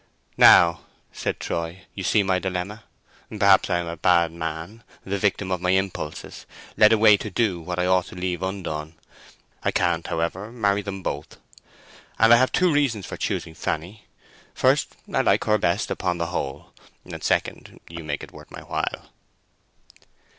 "Now," said Troy, "you see my dilemma. Perhaps I am a bad man—the victim of my impulses—led away to do what I ought to leave undone. I can't, however, marry them both. And I have two reasons for choosing Fanny. First, I like her best upon the whole, and second, you make it worth my while."